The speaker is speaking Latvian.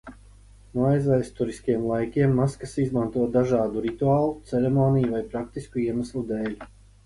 No aizvēsturiskiem laikiem maskas izmanto dažādu rituālu, ceremoniju vai praktisku iemeslu dēļ.